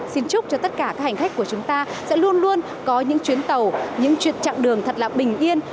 xin chúc cho tất cả các hành khách của chúng ta sẽ luôn luôn có những chuyến tàu những chuyện chặng đường thật là bình yên